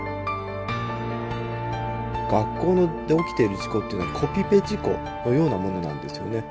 学校で起きてる事故っていうのはコピペ事故のようなものなんですよね。